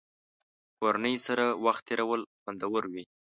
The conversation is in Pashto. کورنۍ سره وخت تېرول خوندور وي.